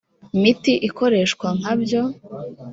miti ikoreshwa nka byo